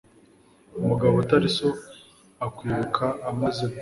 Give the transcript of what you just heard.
umugabo utari so akwibuka amaze